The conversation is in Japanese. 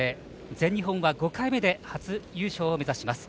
全日本は５回目で初優勝を目指します。